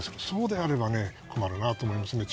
そうであれば、困るなと思います。